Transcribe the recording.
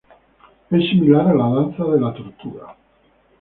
Es similar a la danza de Tortuga.